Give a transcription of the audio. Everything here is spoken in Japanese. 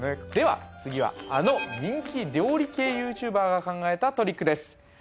では次はあの人気料理系ＹｏｕＴｕｂｅｒが考えたトリックです。